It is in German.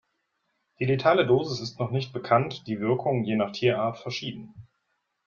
Die letale Dosis ist noch nicht bekannt, die Wirkung je nach Tierart verschieden.